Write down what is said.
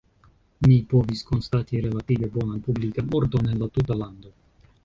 Mi povis konstati relative bonan publikan ordon en la tuta lando.